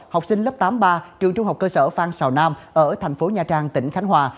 học sinh lớp tám ba trường trung học cơ sở phan xào nam ở thành phố nha trang tỉnh khánh hòa